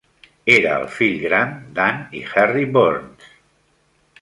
Era el fill gran d'Anne i Harry Burns.